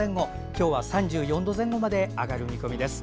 今日は３４度前後まで上がる見込みです。